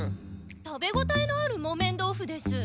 食べごたえのある木綿豆腐です。